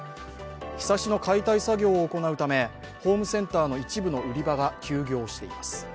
ひさしの解体作業を行うためホームセンターの一部の売り場が休業しています。